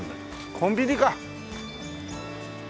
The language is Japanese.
コンビニか。